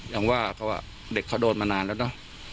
อย่างว่าเขาเด็กเขาโดนมานานแล้วเนอะ